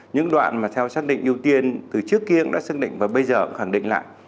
những đoạn mà theo xác định ưu tiên từ trước kia cũng đã xác định và bây giờ khẳng định lại